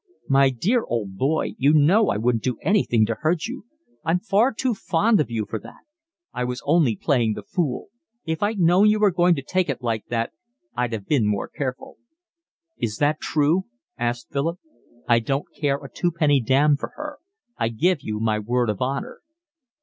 "My dear old boy, you know I wouldn't do anything to hurt you. I'm far too fond of you for that. I was only playing the fool. If I'd known you were going to take it like that I'd have been more careful." "Is that true?" asked Philip. "I don't care a twopenny damn for her. I give you my word of honour."